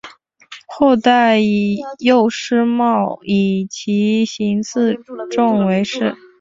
后代以右师戊以其行次仲为氏。